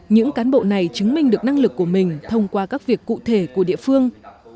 những cán bộ này chứng minh được năng lực của mình thông qua các việc cụ thể của địa phương